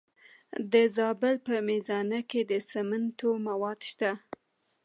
د زابل په میزانه کې د سمنټو مواد شته.